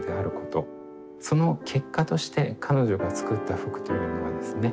その結果として彼女が作った服というのはですね